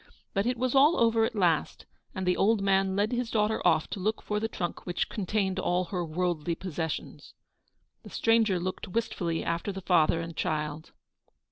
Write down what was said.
But it was all over at last, and the old man led his daughter off to look for the trunk which contained all her worldly possessions. The stranger looked wistfully after the father and child.